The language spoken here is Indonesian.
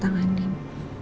tidak mau merenung